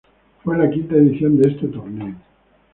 Fue la quinta edición de este torneo.